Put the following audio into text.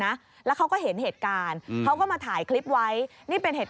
นะแล้วเขาก็เห็นเหตุการณ์เขาก็มาถ่ายคลิปไว้นี่เป็นเหตุ